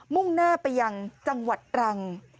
มุ่งหน้าไปยังจังหวัดตรัง